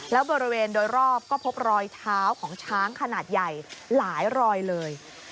แล้วบริเวณโดยรอบก็พบรอยเท้าของช้างขนาดใหญ่หลายรอยเลย